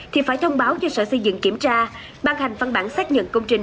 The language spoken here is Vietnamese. thì phải thông báo cho sở xây dựng kiểm tra ban hành văn bản xác nhận công trình